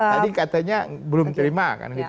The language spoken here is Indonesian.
tadi katanya belum terima